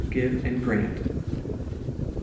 give and grant," &c.